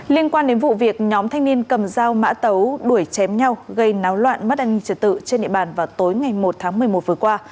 liên quan đến vụ việc nhóm thanh niên cầm dao mã tấu đuổi chém nhau gây náo loạn mất an ninh trật tự trên địa bàn vào tối ngày một tháng một mươi một vừa qua